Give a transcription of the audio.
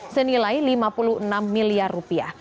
senilai lima puluh enam miliar rupiah